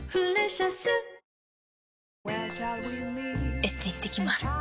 エステ行ってきます。